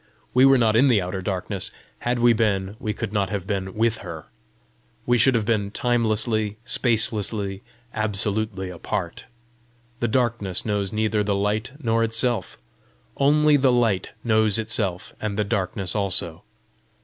We were not in the outer darkness; had we been, we could not have been WITH her; we should have been timelessly, spacelessly, absolutely apart. The darkness knows neither the light nor itself; only the light knows itself and the darkness also.